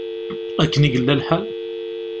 Akken i yella lḥal?